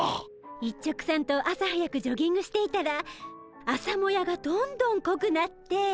一直さんと朝早くジョギングしていたら朝もやがどんどんこくなって。